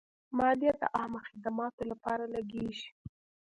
مالیه د عامه خدماتو لپاره لګیږي.